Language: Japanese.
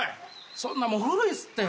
そんなもう古いっすって。